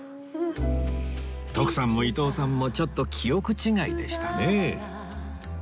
徳さんも伊東さんもちょっと記憶違いでしたね